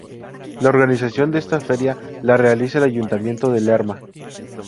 La organización de esta Feria la realiza el Ayuntamiento de Lerma.